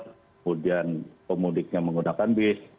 kemudian pemudiknya menggunakan bis